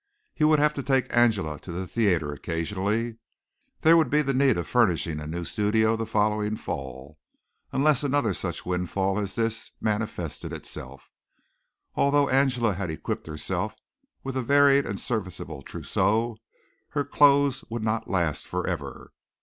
He would have to take Angela to the theatre occasionally. There would be the need of furnishing a new studio the following fall, unless another such windfall as this manifested itself. Although Angela had equipped herself with a varied and serviceable trousseau, her clothes would not last forever.